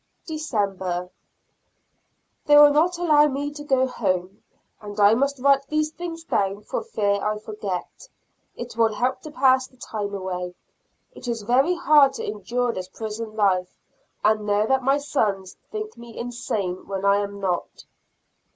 December. They will not allow me to go home, and I must write these things down for fear I forget. It will help to pass the time away. It is very hard to endure this prison life, and know that my sons think me insane when I am not.